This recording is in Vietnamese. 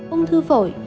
ung thư phổi